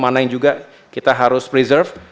mana yang juga kita harus preserve